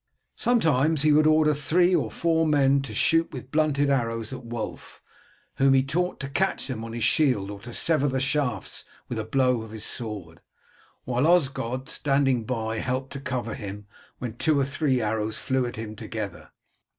Sometimes he would order three or four of the men to shoot with blunted arrows at Wulf, whom he taught to catch them on his shield or to sever the shafts with a blow of his sword, while Osgod standing by helped to cover him when two or three arrows flew at him together.